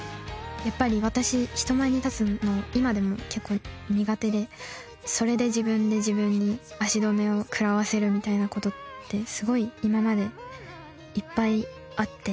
やっぱり私人前に立つの今でも結構苦手でそれで自分で自分に足止めをくらわせるみたいな事ってすごい今までいっぱいあって。